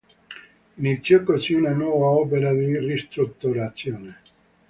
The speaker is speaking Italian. Iniziò così una nuova opera di ristrutturazione.